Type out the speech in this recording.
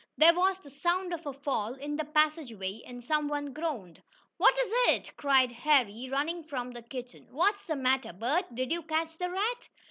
There was the sound of a fall in the passageway, and some one groaned. "What is it?" cried Harry, running from the kitchen. "What's the matter, Bert? Did you catch the rat?"